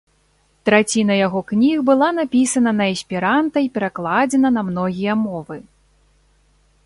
Траціна яго кніг была напісана на эсперанта і перакладзена на многія мовы.